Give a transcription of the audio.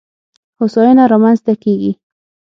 هوساینه رامنځته کېږي.